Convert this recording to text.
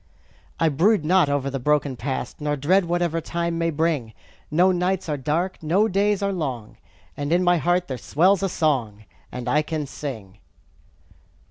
I brood not over the broken past, Nor dread whatever time may bring; No nights are dark, no days are long, While in my heart there swells a song, And I can sing.